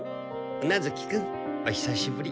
宇奈月君おひさしぶり。